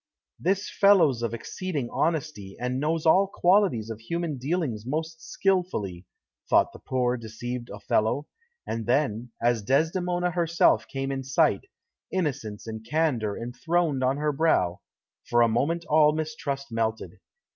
"This fellow's of exceeding honesty, and knows all qualities of human dealings most skilfully," thought the poor deceived Othello; and then, as Desdemona herself came in sight, innocence and candour enthroned on her brow, for a moment all mistrust melted.